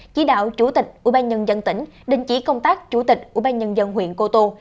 chỉ đạo chủ tịch ủy ban nhân dân tỉnh định chỉ công tác chủ tịch ủy ban nhân dân huyện cô tô